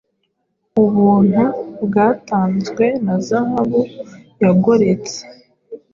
Ubuntu bwatanzwena zahabu yagoretse